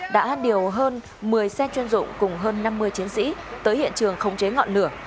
đã điều hơn một mươi xe chuyên dụng cùng hơn năm mươi chiến sĩ tới hiện trường không chế ngọn lửa